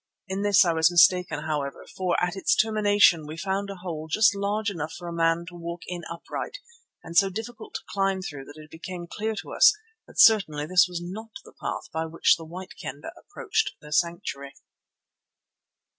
In this I was mistaken, however, for at its termination we found a hole just large enough for a man to walk in upright and so difficult to climb through that it became clear to us that certainly this was not the path by which the White Kendah approached their sanctuary.